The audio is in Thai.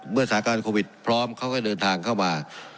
เมื่อสร้างการโควิดพร้อมเขาก็เดินทางเข้ามา